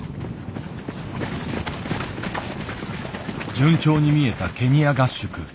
順調に見えたケニア合宿。